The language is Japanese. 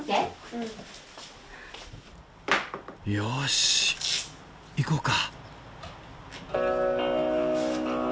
よし行こうか！